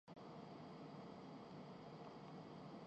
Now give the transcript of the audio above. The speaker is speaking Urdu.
دست ساقی میں آفتاب آئے